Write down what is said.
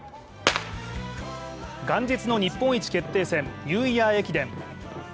元日の日本一決定戦、ニューイヤー駅伝。